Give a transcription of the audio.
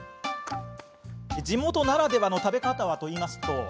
地元ならではの食べ方はというと。